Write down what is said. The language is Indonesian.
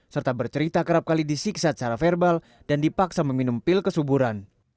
serta bercerita kerap kali disiksa secara verbal dan dipaksa meminum pil kesuburan